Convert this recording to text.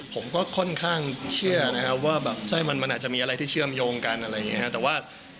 ผมก็ค่อนข้างเชื่อนะครับว่าแบบไส้มันมันอาจจะมีอะไรที่เชื่อมโยงกันอะไรอย่างนี้ครับ